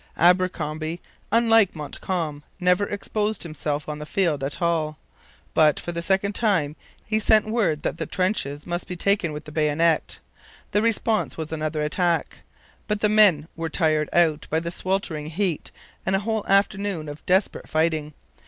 Abercromby, unlike Montcalm, never exposed himself on the field at all. But, for the second time, he sent word that the trenches must be taken with the bayonet. The response was another attack. But the men were tired out by the sweltering heat and a whole afternoon of desperate fighting.